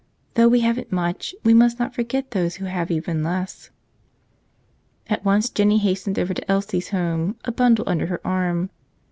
"Though we haven't much, we must not forget those who have even less." At once Jennie hastened over to Elsie's home, a bundle under her arm.